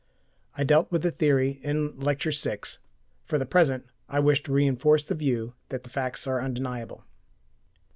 I dealt with the theory in Lecture VI; for the present I wish to reinforce the view that the facts are undeniable.